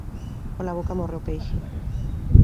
Pola boca morre o peixe.